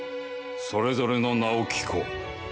それぞれの名を聞こう。